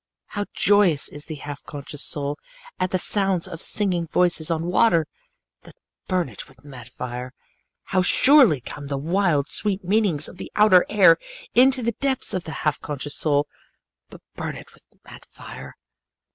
"How joyous is the half conscious soul at the sounds of singing voices on water! that burn it with mad fire. "How surely come the wild, sweet meanings of the outer air into the depths of the half conscious soul! but burn it with mad fire.